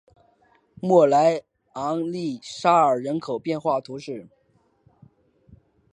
莫莱昂利沙尔人口变化图示